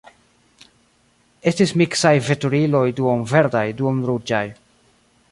Estis miksaj veturiloj duon-verdaj, duon-ruĝaj.